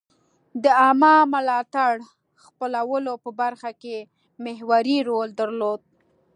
د عامه ملاتړ خپلولو په برخه کې محوري رول درلود.